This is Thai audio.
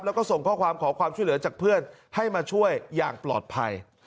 แล้วก็ส่งข้อความขอความช่วยเหลือจากเพื่อนให้มาช่วยอย่างปลอดภัย